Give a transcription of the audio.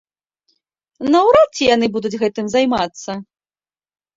Наўрад ці яны будуць гэтым займацца.